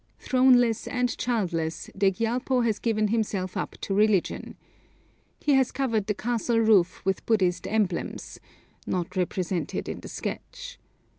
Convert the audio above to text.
Throneless and childless, the Gyalpo has given himself up to religion. He has covered the castle roof with Buddhist emblems (not represented in the sketch).